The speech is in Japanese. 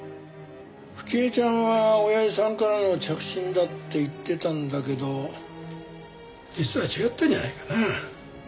冨貴江ちゃんは親父さんからの着信だって言ってたんだけど実は違ったんじゃないかなあ。